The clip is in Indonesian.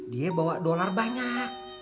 dia bawa dolar banyak